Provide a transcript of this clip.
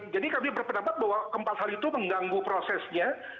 jadi kami berpendapat bahwa keempat hal itu mengganggu prosesnya